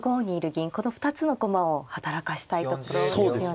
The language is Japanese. この２つの駒を働かせたいところですよね。